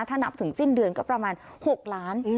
ถ้านับถึงสิ้นเดือนก็ประมาณ๖ล้าน